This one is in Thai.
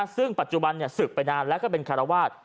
ซึ่งปัจจุบันศึกไปนานแล้วก็เป็นคารวาส